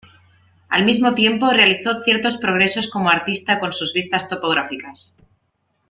Al mismo tiempo, realizó ciertos progresos como artista con sus vistas topográficas.